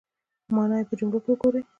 مانا یې په جملو کې وګورئ